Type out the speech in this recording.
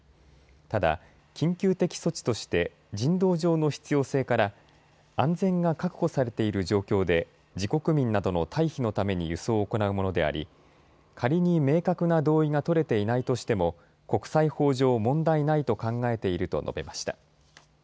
ただ緊急的措置として人道上の必要性から安全が確保されている状況で自国民などの退避のために輸送を行うものであり仮に明確な同意が取れていないとしても国際法上、問題ないと考えていると述べました。